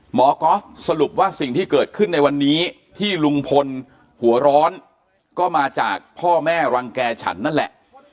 ก๊อฟสรุปว่าสิ่งที่เกิดขึ้นในวันนี้ที่ลุงพลหัวร้อนก็มาจากพ่อแม่รังแก่ฉันนั่นแหละ